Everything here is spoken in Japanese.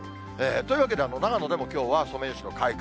というわけで、長野でもきょうはソメイヨシノ開花。